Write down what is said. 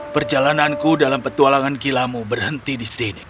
perjalananku dalam petualangan gilamu berhenti di sini